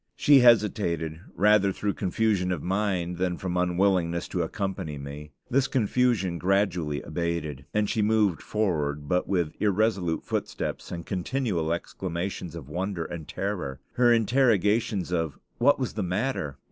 She hesitated, rather through confusion of mind than from unwillingness to accompany me. This confusion gradually abated, and she moved forward, but with irresolute footsteps and continual exclamations of wonder and terror. Her interrogations of "What was the matter?"